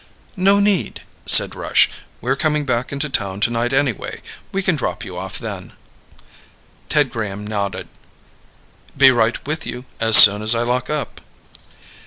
"No need," said Rush. "We're coming back into town tonight anyway. We can drop you off then." Ted Graham nodded. "Be right with you as soon as I lock up."